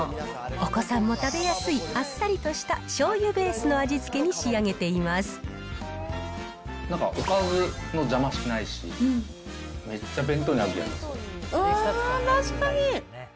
お子さんも食べやすいあっさりとしたしょうゆベースの味付けに仕なんか、おかずの邪魔しないし、確かに。